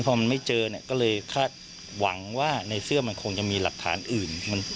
พอมันไม่เจอเนี่ยก็เลยคาดหวังว่าในเสื้อมันคงจะมีหลักฐานอื่น